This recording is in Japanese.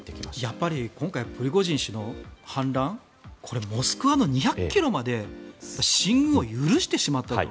やっぱり今回プリゴジン氏の反乱モスクワの２００ｋｍまで進軍を許してしまったと。